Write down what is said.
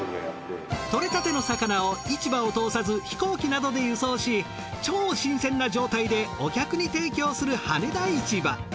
獲れたての魚を市場を通さず飛行機などで輸送し超新鮮な状態でお客に提供する羽田市場。